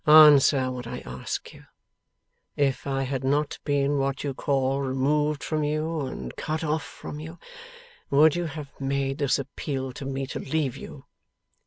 Answer what I ask you. If I had not been what you call removed from you and cut off from you, would you have made this appeal to me to leave you?